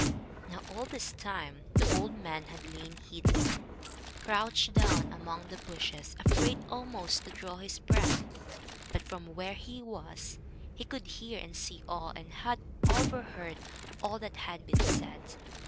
Now all this time the old man had lain hidden, crouched down among the bushes, afraid almost to draw his breath, but from where he was he could hear and see all, and had overheard all that had been said.